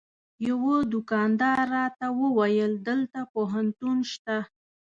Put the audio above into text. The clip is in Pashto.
یوه دوکاندار راته وویل دلته پوهنتون شته.